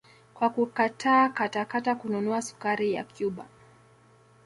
Kwa kukataa kata kata kununua sukari ya Cuba